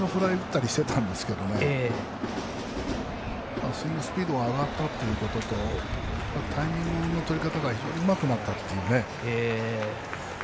以前は、あそこで詰まってどん詰まりのフライだったりしていたんですけどスイングスピードが上がったということとタイミングの取り方が非常にうまくなった。